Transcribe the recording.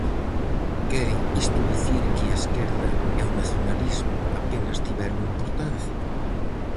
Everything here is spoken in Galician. Quere isto dicir que a esquerda e o nacionalismo apenas tiveron importancia?